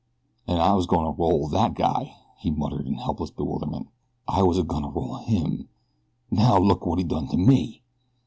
"An' I was goin' to roll that guy!" he muttered in helpless bewilderment. "I was a goin' to roll him, and now look here wot he has done to me!"